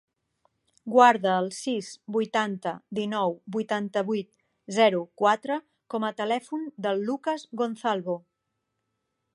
Guarda el sis, vuitanta, dinou, vuitanta-vuit, zero, quatre com a telèfon del Lucas Gonzalvo.